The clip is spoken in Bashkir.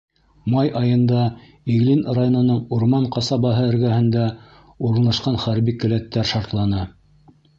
Май айында Иглин районының Урман ҡасабаһы эргәһендә урынлашҡан хәрби келәттәр шартланы.